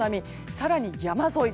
更に山沿い